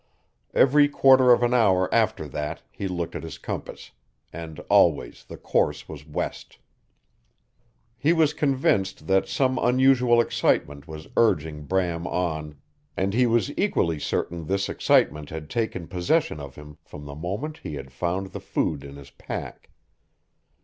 Every quarter of an hour after that he looked at his compass. And always the course was west. He was convinced that some unusual excitement was urging Bram on, and he was equally certain this excitement had taken possession of him from the moment he had found the food in his pack.